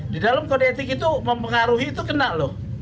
di dalam kode etik itu mempengaruhi itu kena loh